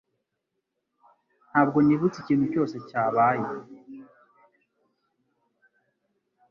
Ntabwo nibutse ikintu cyose cyabaye